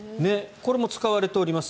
これも使われております。